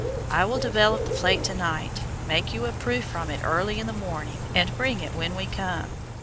I will develop the plate tonight, make you a proof from it early in the morning, and bring it when we come.